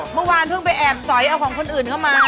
เมื่อวานเพิ่งไปแอบสอยเอาของคนอื่นเข้ามา